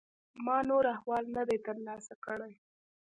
ما نور احوال نه دی ترلاسه کړی.